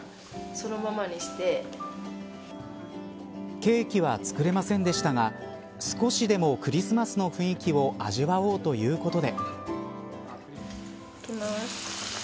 ケーキは作れませんでしたが少しでもクリスマスの雰囲気を味わおうということで。